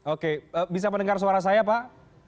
oke bisa mendengar suara saya pak